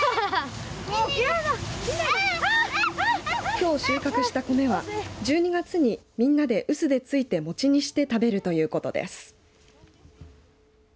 きょう収穫した米は１２月にみんなで臼でついて餅にして食べるということです。